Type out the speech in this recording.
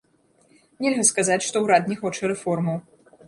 Нельга сказаць, што ўрад не хоча рэформаў.